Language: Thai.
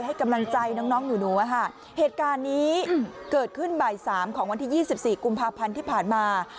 ให้กำลังใจน้องหนูเหตุการณ์นี้เกิดขึ้นบ่ายสามของวันที่๒๔กุมภาพันธ์ที่ผ่านมา